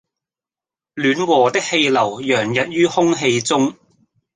暖和的氣流洋溢於空氣中